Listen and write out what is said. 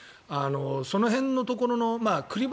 その辺のところの栗林